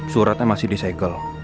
suratnya masih di segel